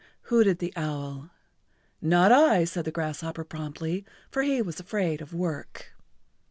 hooted the owl. "Not I," said the grasshopper promptly, for he was afraid of work.